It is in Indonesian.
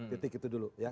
titik itu dulu ya